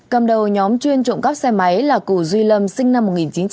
cầm đầu nhóm chuyên trộm cắp xe máy là cù duy lâm sinh năm một nghìn chín trăm tám mươi